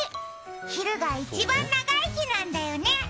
昼が一番長い日なんだよね。